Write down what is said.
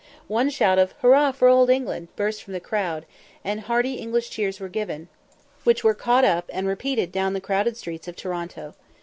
One shout of "Hurrah for Old England" burst from the crowd, and hearty English cheers were given, which were caught up and repeated down the crowded streets of Toronto.